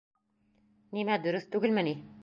Нимә, дөрөҫ түгелме ни?